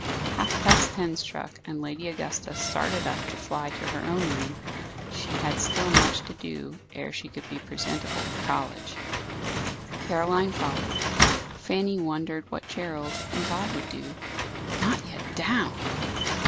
Half past ten struck, and Lady Augusta started up to fly to her own room. She had still much to do, ere she could be presentable for college. Caroline followed. Fanny wondered what Gerald and Tod would do. Not yet down!